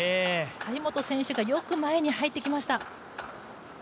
張本選手がよく前に入ってきました。